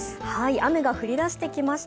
雨が降り出してきました。